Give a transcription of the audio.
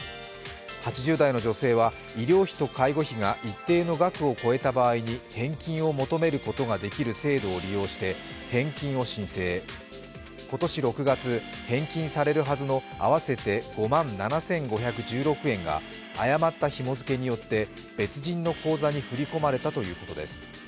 ８０代の女性は医療費と介護費が一定の額を超えた場合に返金を求めることができる制度を利用して返金を申請、今年６月返金されるはずの合わせて６万７５１６円が誤ったひも付けによって別人の口座に振り込まれたということです。